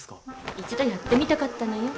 一度やってみたかったのよ。